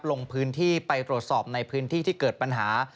ลงพื้นที่ไปตรวจสอบในพื้นที่ที่เกิดปัญหา